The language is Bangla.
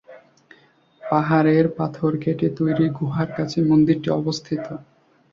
পাহাড়ের পাথর কেটে তৈরি গুহার কাছে মন্দিরটি অবস্থিত।